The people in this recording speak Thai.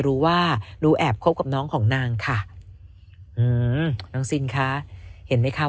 รู้ว่าหนูแอบคบกับน้องของนางค่ะอืมน้องซินคะเห็นไหมคะ